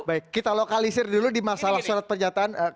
baik kita lokalisir dulu di masalah surat pernyataan